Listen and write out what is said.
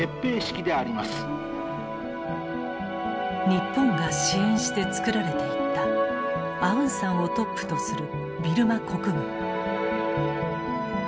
日本が支援して作られていったアウンサンをトップとするビルマ国軍。